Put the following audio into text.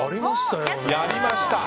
やりました。